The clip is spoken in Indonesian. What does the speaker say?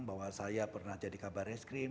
bahwa saya pernah jadi kabar eskrim